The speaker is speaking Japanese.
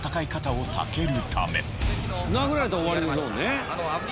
殴られたら終わりですもんね。